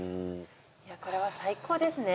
これは最高ですね。